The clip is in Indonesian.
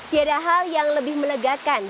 tidak ada hal yang lebih melegakan